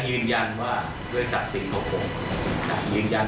ยืนยันว่าไม่มีการกรุม